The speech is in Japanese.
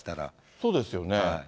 そうですよね。